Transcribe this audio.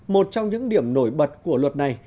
một trong những điểm nổi bật của luật này